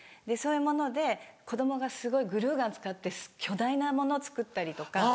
そういうもので子供がグルーガン使って巨大なもの作ったりとか。